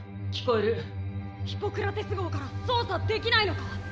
ヒポクラテス号から操作できないのか？